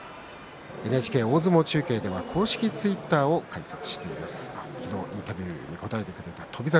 ＮＨＫ大相撲中継では公式ツイッターを開設しています。